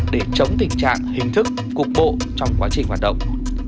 để chống tình trạng hình thức cục bộ trong quá trình hoạt động